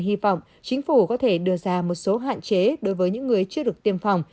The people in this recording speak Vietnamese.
hy vọng chính phủ có thể đưa ra một số hạn chế đối với những người chưa được tiêm phòng